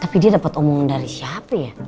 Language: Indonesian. tapi dia dapat omongan dari siapa ya